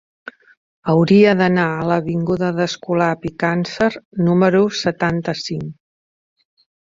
Hauria d'anar a l'avinguda d'Escolapi Càncer número setanta-cinc.